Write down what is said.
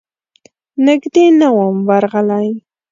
نږدې نه وم ورغلی.